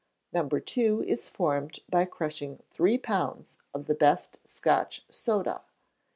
No. 2 is formed by crushing three pounds of the best Scotch soda.